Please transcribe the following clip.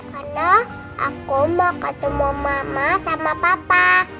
karena aku mau ketemu mama sama papa